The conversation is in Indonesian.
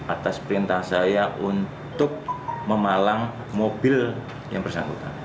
atas perintah saya untuk memalang mobil yang bersangkutan